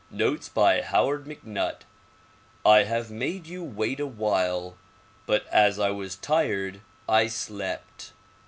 Notes by Howard MacNutt I HAVE made you wait awhile, but as I was tired I slept.